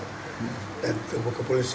mudah mudahan tito akan berhasil